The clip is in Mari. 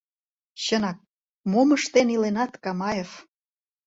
Чынак, мом ыштен иленат, Камаев?..